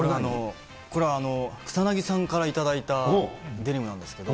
これ、草なぎさんから頂いたデニムなんですけど。